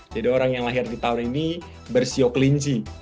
jadi orang yang lahir di tahun ini stoichi klinci disebutnya